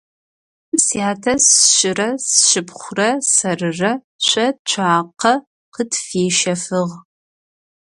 Сятэ сшырэ сшыпхъурэ сэрырэ шъо цуакъэ къытфищэфыгъ.